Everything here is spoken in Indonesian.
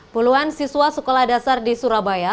puluhan siswa sekolah dasar di surabaya